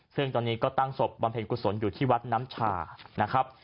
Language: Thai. ซึ่งตอนนี้ก็ตั้งศพบำเพ็ญกุศลอยู่ที่วัดน้ำชานะครับ